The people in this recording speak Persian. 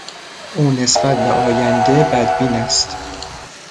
او نسبت به آینده بدبین است.